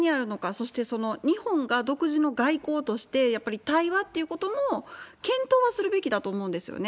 そして、日本が独自の外交として、やっぱり対話っていうことも、検討はするべきだと思うんですよね。